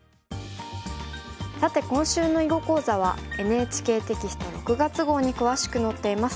さて今週の囲碁講座はＮＨＫテキスト６月号に詳しく載っています。